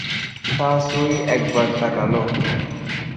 সা সুই একবার তাকাল।